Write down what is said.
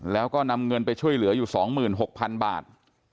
แล้วก็นำเงินไปช่วยเหลืออยู่๒๖๐๐๐บาท